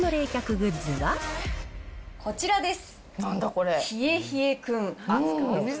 こちらです。